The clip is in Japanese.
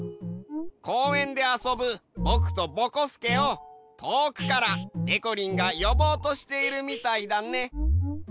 こうえんであそぶぼくとぼこすけをとおくからでこりんがよぼうとしているみたいだね。